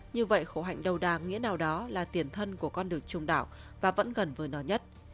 như vậy khổ hạnh đầu đà nghĩa nào đó là tiền thân của con đường trung đạo và vẫn gần với nó nhất